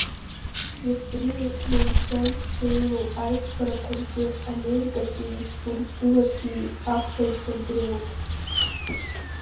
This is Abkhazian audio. Џьеффри Монсон еилоу аиқәԥарақәа рзы америкатәии урыстәылатәии ақәԥаҩцәа дреиуоуп.